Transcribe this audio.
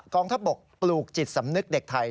องทัพบกปลูกจิตสำนึกเด็กไทย